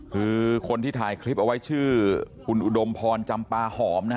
คือคนที่ถ่ายคลิปเอาไว้ชื่อคุณอุดมพรจำปาหอมนะฮะ